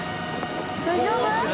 大丈夫！？